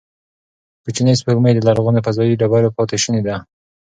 کوچنۍ سپوږمۍ د لرغونو فضايي ډبرو پاتې شوني دي.